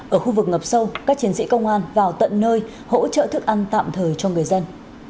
ở khu vực ngập sâu các chiến sĩ công an vào tận nơi hỗ trợ thức ăn tạm thời cho người dân